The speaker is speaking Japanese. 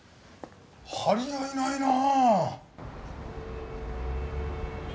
張り合いないな！